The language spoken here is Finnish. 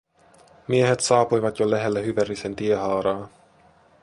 Miehet saapuivat jo lähelle Hyvärisen tiehaaraa.